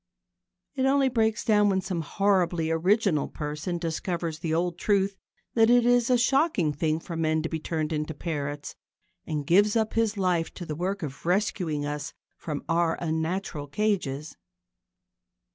It only breaks down when some horribly original person discovers the old truth that it is a shocking thing for men to be turned into parrots, and gives up his life to the work of rescuing us from our unnatural cages.